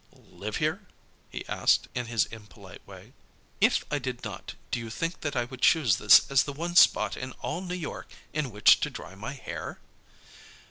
"Live here?" he asked, in his impolite way. "If I did not, do you think that I would choose this as the one spot in all New York in which to dry my hair?"